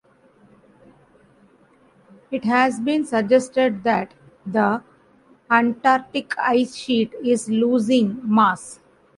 It has been suggested that the Antarctic ice sheet is losing mass.